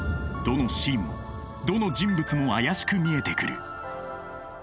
どのシーンもどの人物も怪しく見えてくる。